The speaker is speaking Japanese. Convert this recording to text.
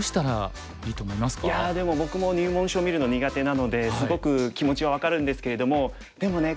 いやでも僕も入門書見るの苦手なのですごく気持ちは分かるんですけれどもでもね